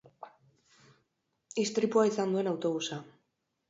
Istripua izan duen autobusa.